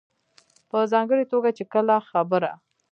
په ځانګړې توګه چې کله خبره